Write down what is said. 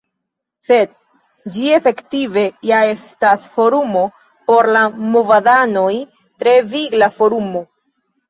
Sed ĝi efektive ja estas forumo por la movadanoj; tre vigla forumo.